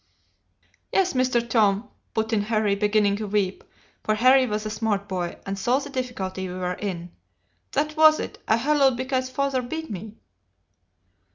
"'Yes, Mr. Tom,' put in Harry, beginning to weep, for Harry was a smart boy, and saw the difficulty we were in, 'that was it I halloed because father beat me.